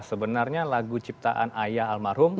sebenarnya lagu ciptaan ayah almarhum